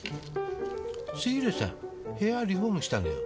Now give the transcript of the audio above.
「杉浦さん部屋リフォームしたのよ」